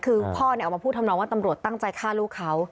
คือพ่อออกมาพูดทำนองว่าตำรวจตั้งใจฆ่าลูกเขา